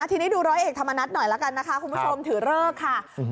ทีนี้ดูร้อยเอกธรรมนัฐหน่อยละกันนะคะคุณผู้ชมถือเลิกค่ะ